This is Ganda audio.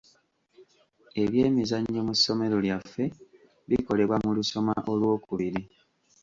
Ebyemizannyo mu ssomero lyaffe bikolebwa mu lusoma olwokubiri.